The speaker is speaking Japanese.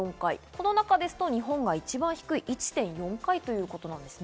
この中ですと日本が一番低い１．４回ということです。